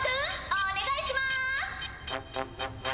お願いします。